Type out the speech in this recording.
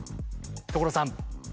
所さん！